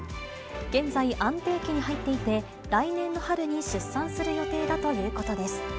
現在、安定期に入っていて、来年の春に出産する予定だということです。